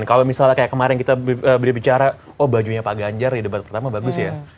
kalau misalnya kayak kemarin kita berbicara oh bajunya pak ganjar di debat pertama bagus ya